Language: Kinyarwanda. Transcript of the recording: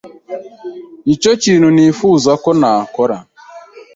Nicyo kintu nifuza ko nakora.